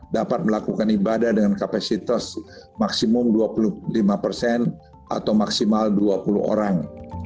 dapat melakukan ibadah dengan kapasitas maksimum dua puluh lima persen atau maksimal dua puluh orang